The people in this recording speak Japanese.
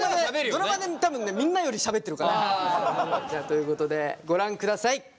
ドラマで多分ねみんなよりしゃべってるから。ということでご覧ください。